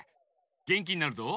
げんきになるぞ。